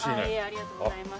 ありがとうございます。